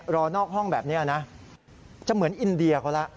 นอกห้องแบบนี้นะจะเหมือนอินเดียเขาแล้ว